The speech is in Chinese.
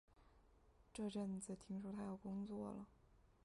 这阵子听说他要工作了